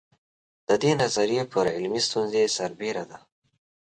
د دې نظریې پر علمي ستونزې سربېره ده.